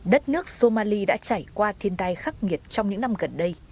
đất nước somali đã trải qua thiên tai khắc nghiệt trong những năm gần đây